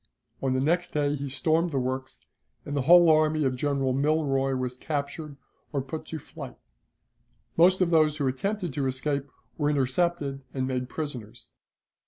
On the next day he stormed the works, and the whole army of General Milroy was captured or put to flight. Most of those who attempted to escape were intercepted and made prisoners.